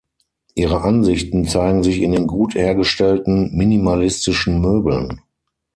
Ihre Ansichten zeigen sich in den gut hergestellten minimalistischen Möbeln.